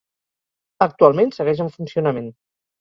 Actualment segueix en funcionament.